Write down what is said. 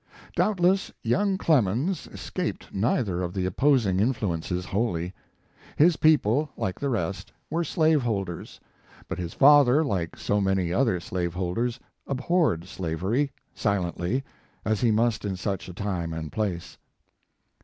Doubt less young Clemens escaped neither of the opposing influences wholly. His people, like the rest, were slave holders; but his father like so many other slave holders, abhorred slavery silently, as he must in such a time and place.